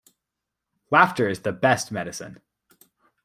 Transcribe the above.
Laughter is the best medicine.